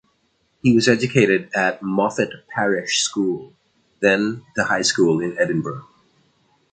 He was educated at Moffat Parish School then the High School in Edinburgh.